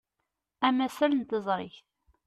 Amasal n teẓrigt.